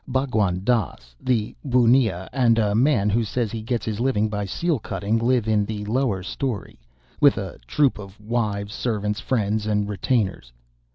Bhagwan Dass, the bunnia, and a man who says he gets his living by seal cutting live in the lower story with a troop of wives, servants, friends, and retainers.